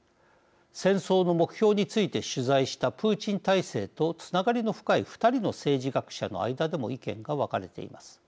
戦争の目標について取材したプーチン体制とつながりの深い２人の政治学者の間でも意見が分かれています。